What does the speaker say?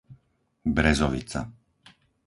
Brezovica